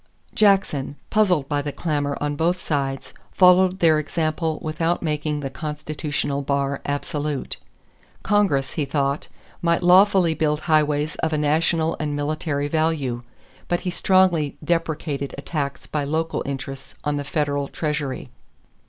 Jackson, puzzled by the clamor on both sides, followed their example without making the constitutional bar absolute. Congress, he thought, might lawfully build highways of a national and military value, but he strongly deprecated attacks by local interests on the federal treasury.